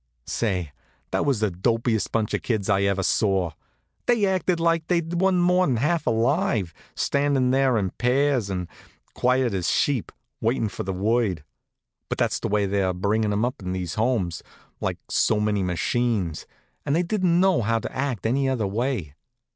Say, that was the dopiest bunch of kids I ever saw. They acted like they wa'n't more'n half alive, standin' there in pairs, as quiet as sheep, waitin' for the word. But that's the way they bring 'em up in these Homes, like so many machines, and they didn't know how to act any other way.